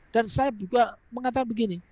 dan saya juga mengatakan begini